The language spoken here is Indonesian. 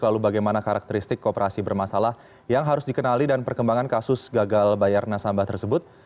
lalu bagaimana karakteristik kooperasi bermasalah yang harus dikenali dan perkembangan kasus gagal bayar nasabah tersebut